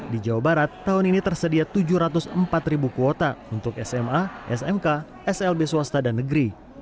di jawa barat tahun ini tersedia tujuh ratus empat ribu kuota untuk sma smk slb swasta dan negeri